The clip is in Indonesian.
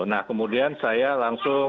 nah kemudian saya langsung